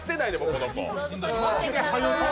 この子。